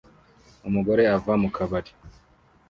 umugore ava mu kabari